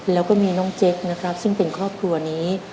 แล้วก็มีน้องเจ๊กนะครับซึ่งเป็นครอบครัวนี้